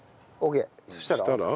そしたら。